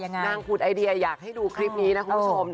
นางผุดไอเดียอยากให้ดูคลิปนี้นะคุณผู้ชม